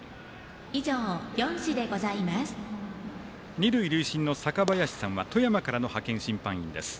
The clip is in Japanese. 二塁塁審の坂林さんは富山からの派遣審判員です。